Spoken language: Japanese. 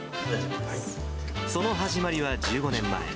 その始まりは１５年前。